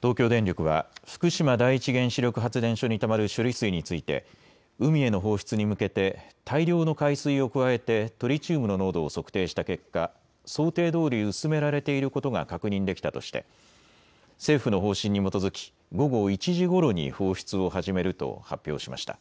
東京電力は福島第一原子力発電所にたまる処理水について海への放出に向けて大量の海水を加えてトリチウムの濃度を測定した結果、想定どおり薄められていることが確認できたとして政府の方針に基づき午後１時ごろに放出を始めると発表しました。